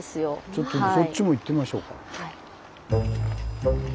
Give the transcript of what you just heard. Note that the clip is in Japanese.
ちょっとそっちも行ってみましょうか。